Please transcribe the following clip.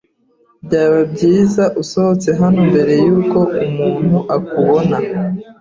Byaba byiza usohotse hano mbere yuko umuntu akubona.